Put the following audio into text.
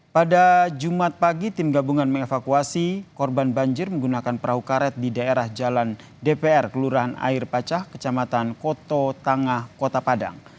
pada jumat pagi tim gabungan mengevakuasi korban banjir menggunakan perahu karet di daerah jalan dpr kelurahan air pacah kecamatan koto tangah kota padang